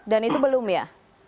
dan itu belum ya